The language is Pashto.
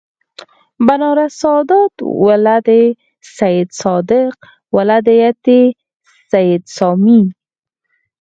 بنارس سادات ولد سیدصادق ولدیت سید سامي